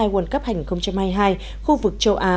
world cup hai nghìn hai mươi hai khu vực châu á